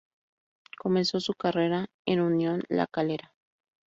Comenzó su carrera en Unión La Calera.